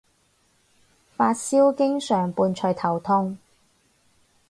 發燒經常伴隨頭痛